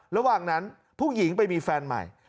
ระหว่างนั้นผู้หญิงไปมีแฟนใหม่